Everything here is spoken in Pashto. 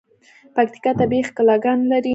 پکیتکا طبیعی ښکلاګاني لري.